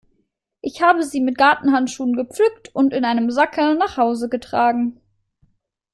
Ich habe sie mit Gartenhandschuhen gepflückt und in einem Sackerl nach Hause getragen.